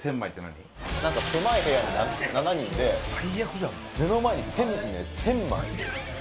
なんか狭い部屋に７人で目の前にせんべい１０００枚。